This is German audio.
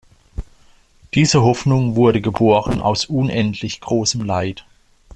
Diese Hoffnung wurde geboren aus unendlich großem Leid.